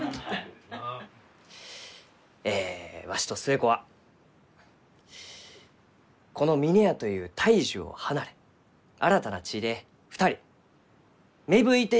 えわしと寿恵子はこの峰屋という大樹を離れ新たな地で２人芽吹いていこうと存じます。